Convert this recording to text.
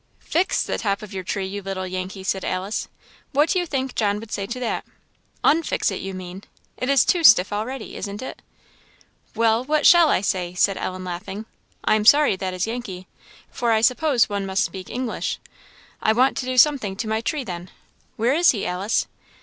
"Fix the top of your tree, you little Yankee!" said Alice; "what do you think John would say to that? _un_fix it, you mean; it is too stiff already, isn't it?" "Well, what shall I say?" said Ellen, laughing. "I am sorry that is Yankee, for I suppose one must speak English. I want to do something to my tree, then. Where is he, Alice?"